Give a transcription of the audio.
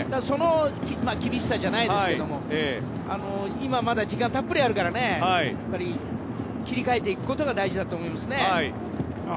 その厳しさじゃないですが今はまだ時間がたっぷりあるから切り替えていくことが大事だと思います。